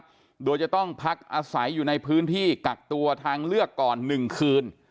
โดยจะต้องพักอาศัยอยู่ในพื้นที่กักตัวทางเลือกก่อน๑คืน